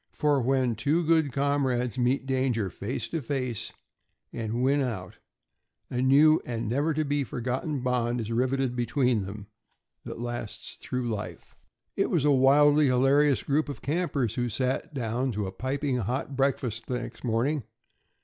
For when two good comrades meet danger face to face and win out, a new and never to be forgotten bond is riveted between them that lasts through life. It was a wildly hilarious group of campers who sat down to a piping hot breakfast the next morning.